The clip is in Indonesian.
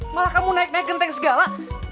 malah kamu naik naik genteng segala